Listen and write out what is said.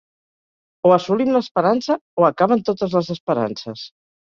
O assolim l'esperança o acaben totes les esperances.